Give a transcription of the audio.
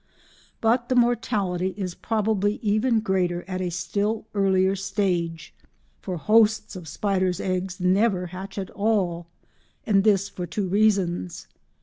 But the mortality is probably even greater at a still earlier stage, for hosts of spiders' eggs never hatch at all, and this for two reasons.